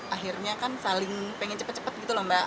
akhirnya kan saling pengen cepat cepat gitu loh mbak